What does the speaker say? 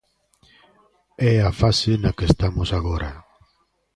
É a fase na que estamos agora.